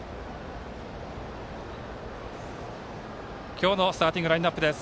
今日のスターティングラインアップです。